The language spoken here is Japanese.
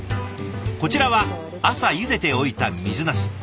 こちらは朝ゆでておいた水なす。